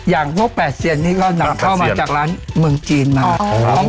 อย่างพวกแปดเสียนนี้ก็นับเข้ามาจากร้านเมืองจีนมั้งอ่อ